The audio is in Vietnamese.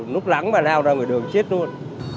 lúc lắng mà lao ra người đường chết luôn